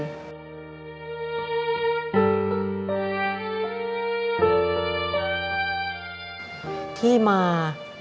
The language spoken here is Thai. ลูกบ้าน